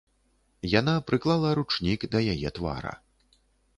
Яна прыклала ручнік да яе твара.